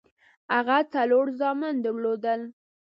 هغه څلور زامن درلودل.